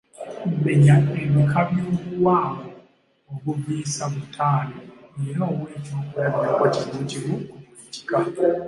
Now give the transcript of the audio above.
Menya ebika by’obuwango obuviisa butaano era owe ekyokulabirako kimu kimu ku buli kika.